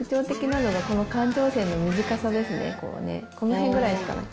この辺ぐらいしかない。